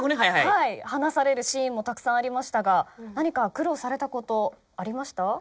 話されるシーンもたくさんありましたが何か苦労されたことありました？